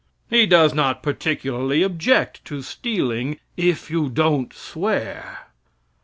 He does not particularly object to stealing, if you don't swear.